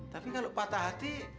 tapi kalau patah hati